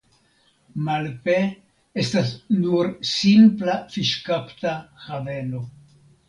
Malpe estas nur simpla fiŝkapta haveno.